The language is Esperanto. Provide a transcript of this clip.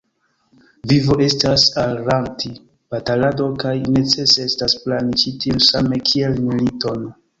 Vivo estas al Lanti batalado, kaj necese estas plani ĉi tiun same kiel militon.